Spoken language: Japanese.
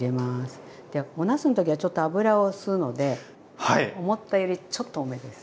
でおなすの時はちょっと油を吸うので思ったよりちょっと多めです。